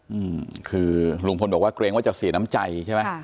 อืมคือลุงพลบอกว่าเกรงว่าจะเสียน้ำใจใช่ไหมค่ะ